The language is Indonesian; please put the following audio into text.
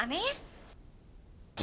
aku ingin berhenti saling filo posisi the